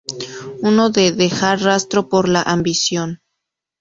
Uno de dejar rastro por la ambición.